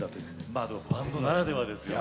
まあバンドならではですよね。